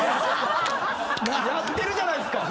やってるじゃないっすか！